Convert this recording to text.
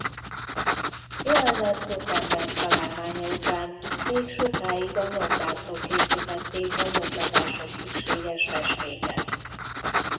Johannes Gutenberg találmánya után még sokáig a nyomdászok készítették a nyomtatáshoz szükséges festéket.